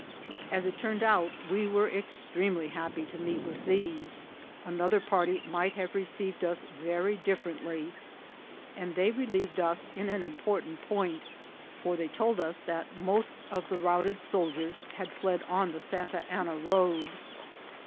As it turned out, we were extremely happy to meet with these ; another party might have received us very dif ferently ; and they relieved us in an important point, 100 INCIDENTS OF TRAVEL. for they told us that most of the routed soldiers had fled on the Santa Anna road.